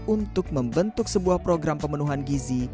untuk membentuk sebuah program pemenuhan gizi